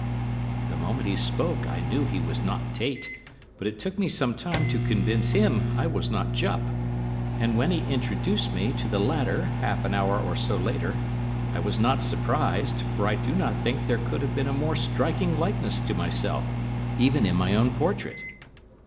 The moment he spoke I knew he was not Tait, but it took me some time to convince him I was not Jupp; and when he introduced me to the latter half an hour or so later, I was not surprised, for I do not think there could have been a more striking likeness to myself, even in my own portrait.